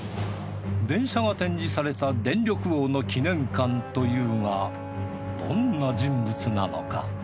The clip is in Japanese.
電車が展示された電力王の記念館というがどんな人物なのか？